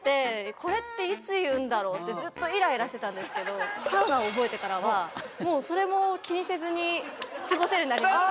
これっていつ言うんだろうってサウナを覚えてからはもうそれも気にせずに過ごせるようになりました